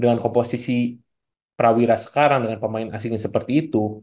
dengan komposisi prawira sekarang dengan pemain asingnya seperti itu